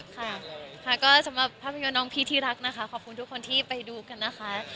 ค่ะค่ะก็สำหรับภาพยนตร์น้องพี่ที่รักนะคะขอบคุณทุกคนที่ไปดูกันนะคะ